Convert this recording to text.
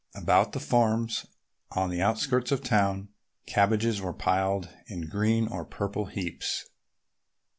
About the farms on the outskirts of town, cabbages were piled in green or purple heaps.